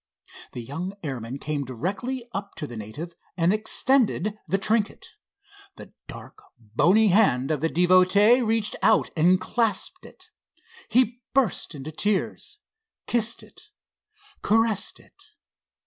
The young airman came directly up to the native and extended the trinket. The dark, bony hand of the devotee reached out and clasped it. He burst into tears, kissed it, caressed it.